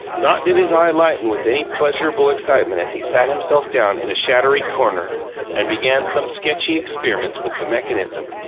Not did his eye lighten with any pleasurable excitement as he sat himself down in a shadowy corner and began some sketchy experiments with the mechanism.